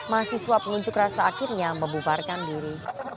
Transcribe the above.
mahasiswa pengunjuk rasa akhirnya membubarkan diri